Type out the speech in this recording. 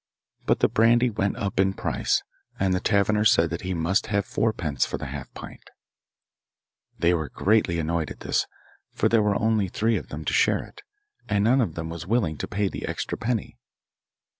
But the brandy went up in price, and the taverner said that he must have fourpence for the half pint. They were greatly annoyed at this, for there were only the three of them to share it, and none of them was willing to pay the extra penny.